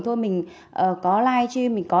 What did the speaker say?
thôi mình có live stream mình có